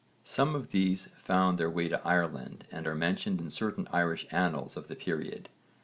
Some of these found their way to Ireland and are mentioned in certain Irish annals of the period.